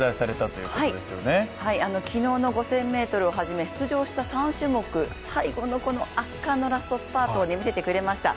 はい、昨日の５０００ｍをはじめ、出場した３種目、最後の圧巻のラストスパートを見せてくれました。